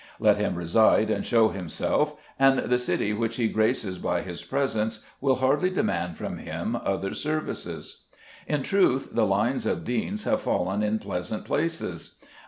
Let him reside and show himself, and the city which he graces by his presence will hardly demand from him other services. In truth, the lines of deans have fallen in pleasant places.